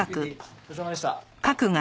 ごちそうさまでした。